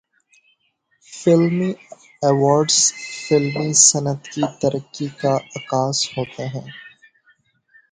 فلمی ایوارڈز فلمی صنعت کی ترقی کا عکاس ہوتے ہیں۔